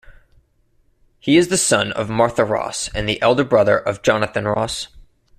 He is the son of Martha Ross and the elder brother of Jonathan Ross.